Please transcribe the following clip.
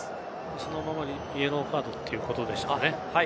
そのままイエローカードということでしたね。